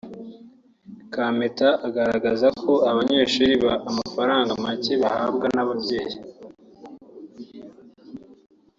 Kampeta agaragaza ko Abanyeshuri amafaranga make bahabwa n’ababyei